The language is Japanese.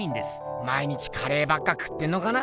毎日カレーばっか食ってんのかな。